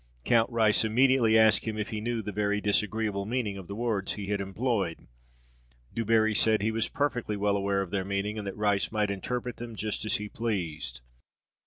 Count Rice immediately asked him if he knew the very disagreeable meaning of the words he had employed. Du Barri said he was perfectly well aware of their meaning, and that Rice might interpret them just as he pleased.